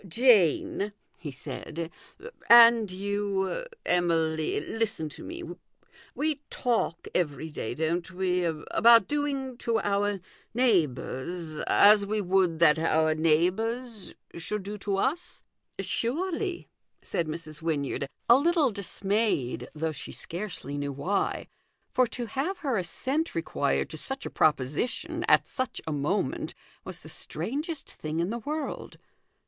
" Jane," he said, " and you, Emily, listen to me. We talk every day, don't we, about doing to our neighbours as we would that our neigh bours should do to us ?"" Surely," said Mrs. Wynyard, a little dis mayed, though she scarcely knew why : for to have her assent required to such a proposition, at such a moment, was the strangest thing in the world.